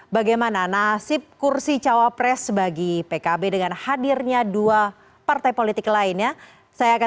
bagaimana nasib kursi cawapres bagi pkb dengan hadirnya dua partai politik lainnya saya akan